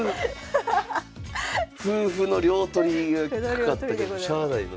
歩歩の両取りがかかったけどしゃあないな。